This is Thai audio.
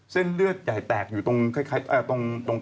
เส้นเลือดใหญ่แตกอยู่ตรงคล้ายตรง